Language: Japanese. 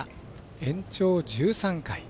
延長１３回。